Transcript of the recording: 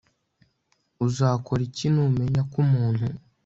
uzakora iki numenya ko umuntu